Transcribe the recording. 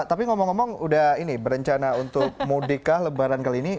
tapi ngomong ngomong udah ini berencana untuk mudik kah lebaran kali ini